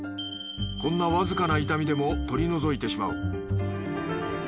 こんなわずかな傷みでも取り除いてしまう。